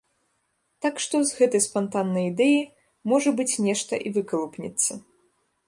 Так што, з гэтай спантаннай ідэі, можа быць, нешта і выкалупнецца.